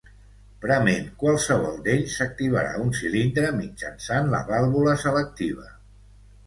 Prement qualsevol d'ells s'activarà un cilindre mitjançant la vàlvula selectiva.